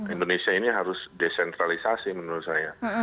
indonesia ini harus desentralisasi menurut saya